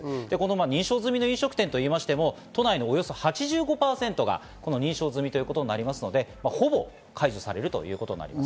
認証済みの飲食店といいましても都内のおよそ８５％が認証済みということになるので、ほぼ解除されるということになります。